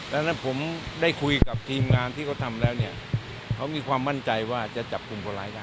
และผมได้คุยกับทีมงานที่เค้าทำแล้วเนี่ยเค้ามีความมั่นใจว่าจะจับคุมผลร้ายได้